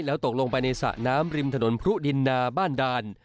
แล้วตกลงไปในสระน้ำริมถนนพรุดินนาบ้านด่าน